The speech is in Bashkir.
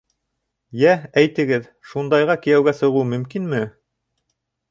Йә, әйтегеҙ, шундайға кейәүгә сығыу мөмкинме?